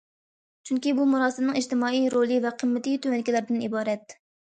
چۈنكى، بۇ مۇراسىمنىڭ ئىجتىمائىي رولى ۋە قىممىتى تۆۋەندىكىلەردىن ئىبارەت.